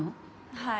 はい。